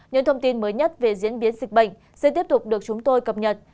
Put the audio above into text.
những thông tin mới nhất về diễn biến dịch bệnh sẽ tiếp tục được chúng tôi cập nhật